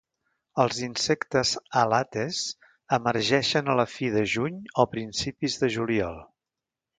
Els insectes "alates" emergeixen a la fi de juny a principis de juliol.